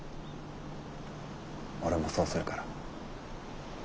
俺もそうするから。